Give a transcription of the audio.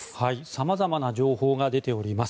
様々な情報が出ております。